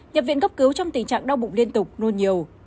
nhập viện cấp cứu trong tình trạng đau bụng liên tục nôn nhiều